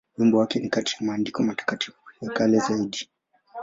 Wimbo wake ni kati ya maandiko matakatifu ya kale zaidi.